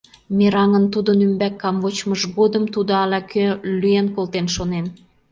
Мераҥын тудын ӱмбак камвочмыж годым тудо ала-кӧ лӱен колтен шонен.